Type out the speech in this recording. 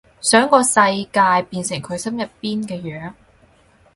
想個世界變成佢心入邊嘅樣